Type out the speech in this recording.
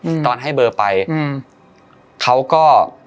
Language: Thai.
นี่ตอนให้เบอร์ไปเขาก็